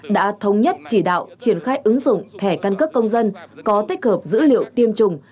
đã thống nhất chỉ đạo triển khai ứng dụng thẻ căn cước công dân có tích hợp dữ liệu tiêm chủng